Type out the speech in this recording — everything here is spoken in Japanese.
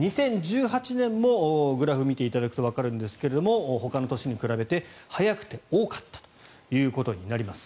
２０１８年もグラフを見ていただくとわかるんですがほかの年に比べて早くて多かったということになります。